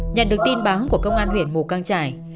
nhận được tin báo của công an huyện mù căng trải